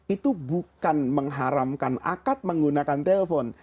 itu bukan mengharamkan akad menggunakan telepon